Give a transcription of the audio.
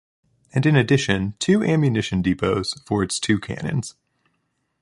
And in addition two ammunition depots for its two cannons.